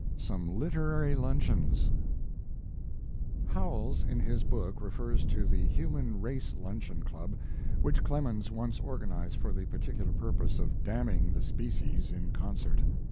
SOME LITERARY LUNCHEONS Howells, in his book, refers to the Human Race Luncheon Club, which Clemens once organized for the particular purpose of damning the species in concert.